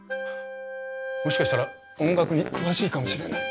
もしかしたら音楽に詳しいかもしれない。